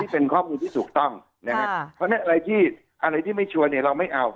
เป็นข้อมูลที่ถูกต้องเพราะฉะนั้นอะไรที่อะไรที่ไม่จริงเราไม่เอา